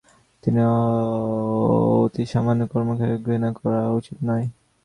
কিন্তু অতি সামান্য কর্মকেও ঘৃণা করা উচিত নয়।